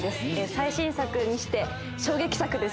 最新作にして衝撃作です